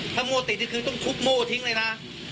ถ้าโม่ติดก็ต้องทุกโม่ทิ้งเลยนะ